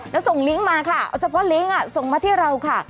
แล้วส่งลิงก์มาค่ะเอาเฉพาะลิงก์ส่งมาที่เราค่ะ